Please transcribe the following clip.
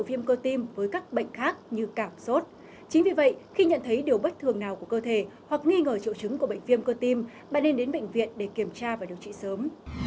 vì vậy khi nhận thấy điều bất thường nào của cơ thể hoặc nghi ngờ triệu chứng của bệnh viêm cơ tim bạn nên đến bệnh viện để kiểm tra và điều trị sớm